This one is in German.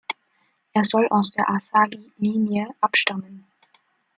Er soll aus der Asagi-Linie abstammen.